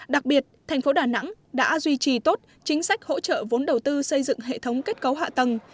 đặc biệt thành phố đà nẵng đã duy trì tốt chính sách hỗ trợ vốn đầu tư xây dựng hệ thống kết cấu hạ tầng